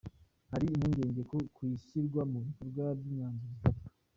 Hari impungenge ku ishyirwa mu bikorwa ry’imyanzuro ifatwa.